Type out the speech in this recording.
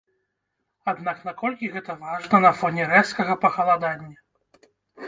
Аднак наколькі гэта важна на фоне рэзкага пахаладання?